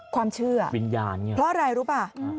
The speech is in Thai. ความเชื่อวิญญาณไงเพราะอะไรรู้ป่ะ